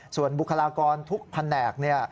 ส่วนบุคลากรทุกแผนก